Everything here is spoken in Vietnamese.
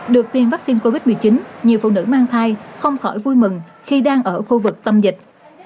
được tiêm vaccine covid một mươi chín nhiều phụ nữ mang thai không khỏi vui mừng khi đang ở khu vực tâm dịch